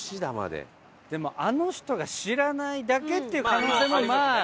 でもあの人が知らないだけっていう可能性もまあ。